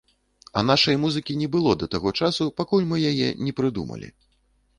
А нашай музыкі не было да таго часу, пакуль мы яе не прыдумалі.